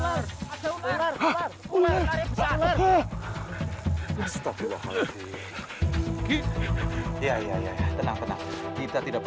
aku harus menjaga dia agar tidak memberitahu kicauku